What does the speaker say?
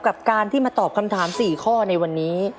กับการที่มาตอบคำถาม๔ข้อในวันนี้